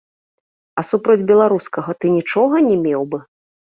А супроць беларускага ты нічога не меў бы?!